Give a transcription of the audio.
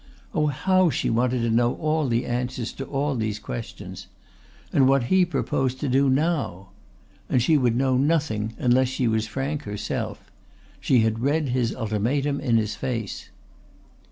Oh, how she wanted to know all the answers to all these questions! And what he proposed to do now! And she would know nothing unless she was frank herself. She had read his ultimatum in his face.